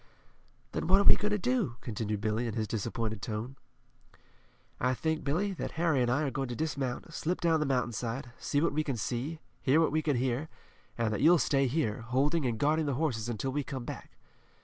"Then what are we going to do?" continued Billy in his disappointed tone. "I think, Billy, that Harry and I are going to dismount, slip down the mountainside, see what we can see, hear what we can hear, and that you'll stay here, holding and guarding the horses until we come back."